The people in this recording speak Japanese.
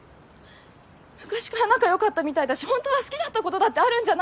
昔から仲よかったみたいだしホントは好きだったことだってあるんじゃないの？